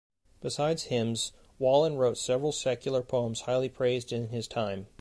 Besides hymns, Wallin wrote several secular poems highly praised in his time.